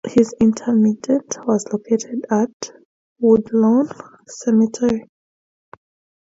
His interment was located at Woodlawn Cemetery.